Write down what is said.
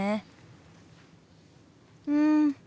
うん。